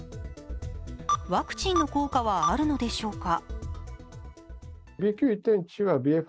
ワクチンの効果はあるのでしょうか。